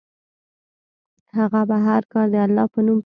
هغه به هر کار د الله په نوم پیل کاوه.